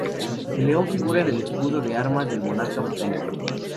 El león figura en el escudo de armas del monarca británico.